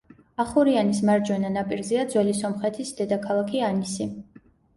ახურიანის მარჯვენა ნაპირზეა ძველი სომხეთის დედაქალაქი ანისი.